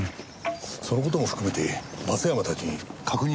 その事も含めて松山たちに確認してもらおう。